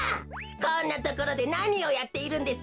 こんなところでなにをやっているんですか？